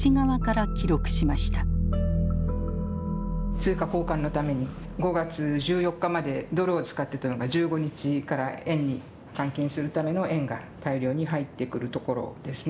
通貨交換のために５月１４日までドルを使ってたのが１５日から円に換金するための円が大量に入ってくるところですね。